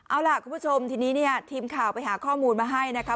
เอาล่ะคุณผู้ชมทีนี้เนี่ยทีมข่าวไปหาข้อมูลมาให้นะคะ